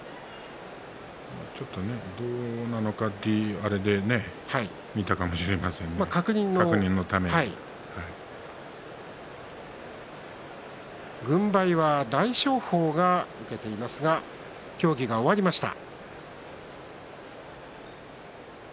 ちょっと、どうなのかというあれで見たかもしれません軍配は大翔鵬が受けていますが協議が終わりました。